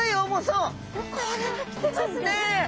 これはきてますね。